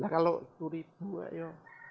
kalau itu ribu ya